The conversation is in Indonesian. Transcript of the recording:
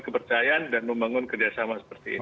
kepercayaan dan membangun kerjasama seperti ini